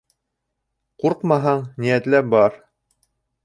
Ҡурҡмаһаң, ниәтләп бар.